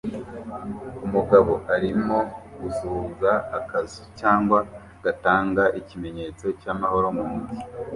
umugabo arimo gusuhuza akazu cyangwa gutanga ikimenyetso cyamahoro mumujyi